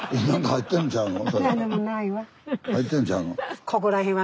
入ってんちゃうの？